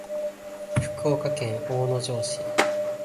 福岡県大野城市